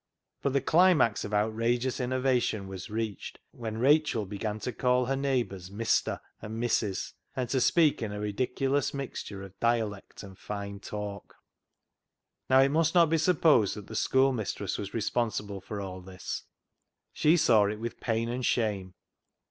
But the climax of outrageous innovation was reached when Rachel began to call her neighbours " Mister " and " Missis," and to speak in a ridiculous mixture of dialect and " fine talk." 246 CLOG SHOP CHRONICLES Now, it must not be supposed that the school mistress was responsible for all this. She saw it with pain and shame.